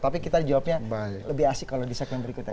tapi kita jawabnya lebih asik kalau di segmen berikutnya